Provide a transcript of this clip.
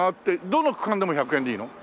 どの区間でも１００円でいいの？